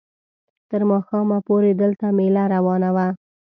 تر ماښامه پورې دلته مېله روانه وه.